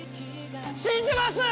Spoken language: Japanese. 死んでます！